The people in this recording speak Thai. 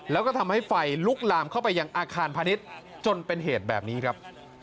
แล้วก็ทำให้ไฟลุกลามเข้าไปยังอาคารพาณิชย์จนเป็นเหตุแบบนี้ครับ